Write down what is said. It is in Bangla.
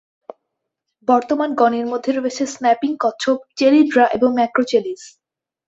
বর্তমান গণের মধ্যে রয়েছে স্ন্যাপিং কচ্ছপ "চেলিড্রা" এবং "ম্যাক্রোচেলিস"।